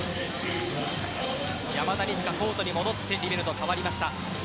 山田二千華がコートに戻ってリベロと代わりました。